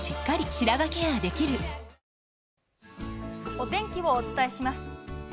お天気をお伝えします。